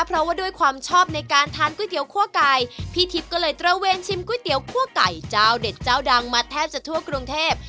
เพราะว่าด้วยความชอบในการทานก๋วยเตี๋คั่วไก่พี่ทิพย์ก็เลยตระเวนชิมก๋วยเตี๋ยวคั่วไก่เจ้าเด็ดเจ้าดังมาแทบจะทั่วกรุงเทพ